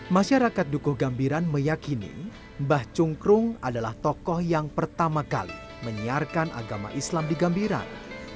masyarakat dukuh gambiran meyakini mbah cungkrung adalah tokoh yang pertama kali menyiarkan agama islam di gambiran